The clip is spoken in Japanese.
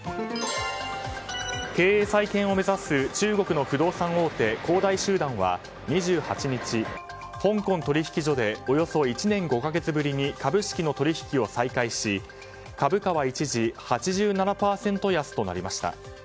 経営再建を目指す中国の不動産大手・恒大集団は２８日、香港取引所でおよそ１年５か月ぶりに株式の取引を再開し、株価は一時８７％安となりました。